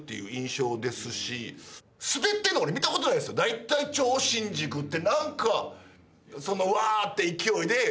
だいたい、超新塾ってわーって勢いで。